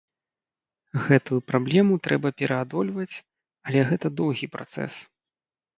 Гэтую праблему трэба пераадольваць, але гэта доўгі працэс.